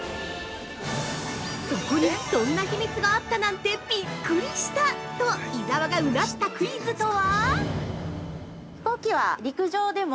「そこに、そんな秘密があったなんてビックリした！」と伊沢がうなったクイズとは！？